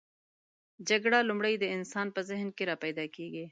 جګړه لومړی د انسان په ذهن کې راپیداکیږي.